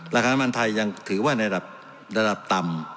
ราคาน้ำมันไทยยังถือว่าในระดับต่ำ